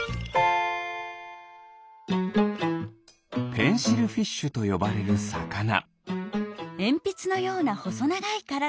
ペンシルフィッシュとよばれるサカナ。